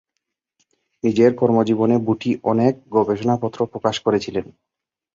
নিজের কর্মজীবনে বুটি অনেক গবেষণাপত্র প্রকাশ করেছিলেন।